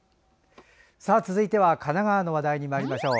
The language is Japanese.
続いては神奈川の話題にまいりましょう。